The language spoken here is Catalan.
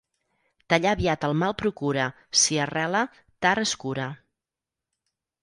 Tallar aviat el mal procura, si arrela, tard es cura.